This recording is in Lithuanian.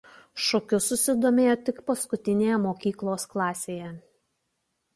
Šokiu susidomėjo tik paskutinėje mokyklos klasėje.